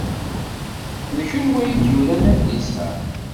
D kenwi ay d-yuran adlis-a?